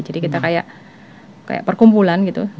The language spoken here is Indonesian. jadi kita kayak perkumpulan gitu